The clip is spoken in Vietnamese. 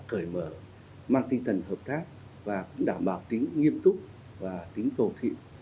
cởi mở mang tinh thần hợp tác và cũng đảm bảo tính nghiêm túc và tính cầu thị